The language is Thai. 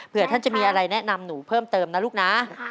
เพื่อท่านจะมีอะไรแนะนำหนูเพิ่มเติมนะลูกนะ